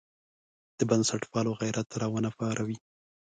د بنسټپالو غیرت راونه پاروي.